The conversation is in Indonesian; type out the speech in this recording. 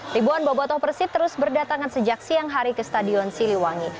ribuan bobotoh persib terus berdatangan sejak siang hari ke stadion siliwangi